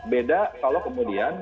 beda kalau kemudian